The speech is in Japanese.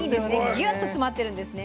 ギュッと詰まってるんですね。